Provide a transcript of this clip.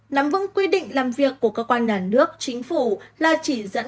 nắm vững quy định làm việc của cơ quan nhà nước chính phủ là chỉ dẫn